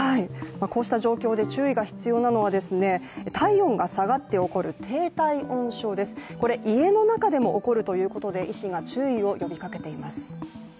こうした状況で注意が必要なのは対応が下がって起きる低体温症です、これ家の中でも起こるということで医師が注意を呼びかけています。